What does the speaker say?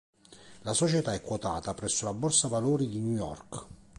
La società è quotata presso la Borsa valori di New York.